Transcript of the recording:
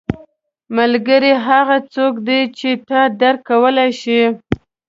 • ملګری هغه څوک دی چې تا درک کولی شي.